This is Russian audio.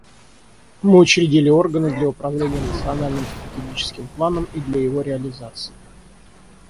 Мы учредили органы для управления национальным стратегическим планом и для его реализации.